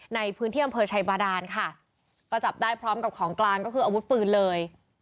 ในพื้นที่อำเภอชัยบาดานค่ะก็จับได้พร้อมกับของกลางก็คืออาวุธปืนเลย